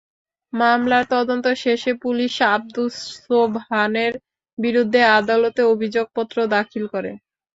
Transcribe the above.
মামলার তদন্ত শেষে পুলিশ আবদুস সোবহানের বিরুদ্ধে আদালতে অভিযোগপত্র দাখিল করে।